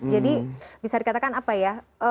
jadi bisa dikatakan apa ya